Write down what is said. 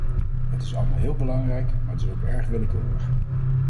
Het is allemaal heel belangrijk, maar het is ook erg willekeurig.